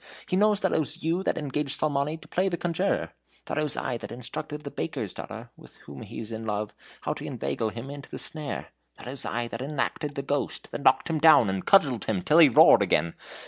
He knows that it was you that engaged Salmoni to play the conjurer; that it was I that instructed the baker's daughter (with whom he is in love) how to inveigle him into the snare; that it was I that enacted the ghost, that knocked him down, and cudgelled him till he roared again.